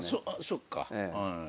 そっか。